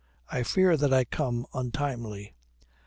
I fear that I come untimely."